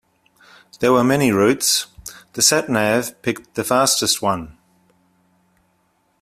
There were many routes, the sat-nav picked the fastest one.